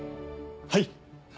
はい！